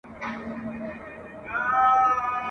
چي کیسې اورم د هیوادونو !.